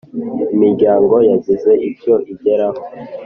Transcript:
Imiryango yagize icyo igeraho